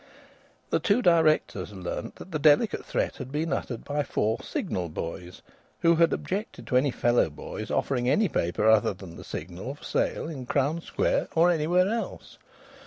The two directors learnt that the delicate threat had been uttered by four Signal boys, who had objected to any fellow boys offering any paper other than the Signal for sale in Crown Square or anywhere else.